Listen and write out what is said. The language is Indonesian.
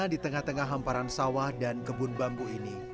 saung sederhana di tengah hamparan sawah dan gebun bambu ini